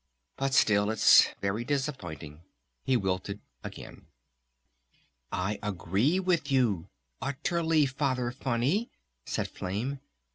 But still it's very disappointing," he wilted again. "I agree with you ... utterly, Father Funny!" said Flame.